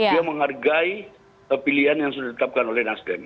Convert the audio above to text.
dia menghargai pilihan yang sudah ditetapkan oleh nasdem